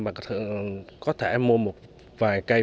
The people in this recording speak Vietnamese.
và có thể mua một vài cây